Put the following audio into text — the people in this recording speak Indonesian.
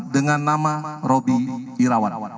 dengan nama roby irawan